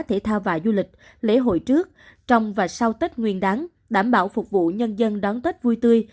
thể thao và du lịch lễ hội trước trong và sau tết nguyên đáng đảm bảo phục vụ nhân dân đón tết vui tươi